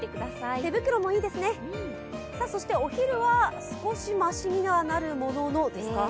手袋もいいですね、そしてお昼は少しましにはなるもののですか？